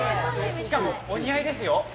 しかも、お似合いですよ。